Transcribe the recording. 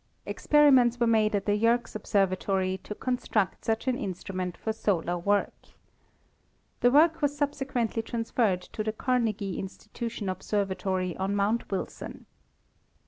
Experiments were made at the Yerkes Observatory to construct such an instrument for solar work. The work was subsequently transferred to the Carnegie Institution Observatory on Mount Wilson.